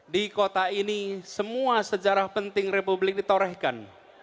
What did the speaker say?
di kota ini semua sejarah penting republik ditorehkan